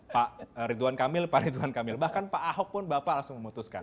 pak ridwan kamil pak ridwan kamil bahkan pak ahok pun bapak langsung memutuskan